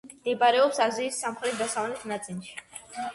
მდებარეობს აზიის სამხრეთ-დასავლეთ ნაწილში.